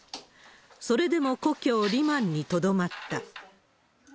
それでも故郷、リマンに留まった。